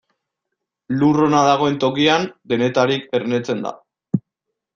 Lur ona dagoen tokian, denetarik ernetzen da.